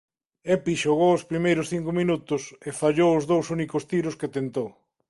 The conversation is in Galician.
Epi xogou o primeiros cinco minutos e fallou os dous únicos tiros que tentou.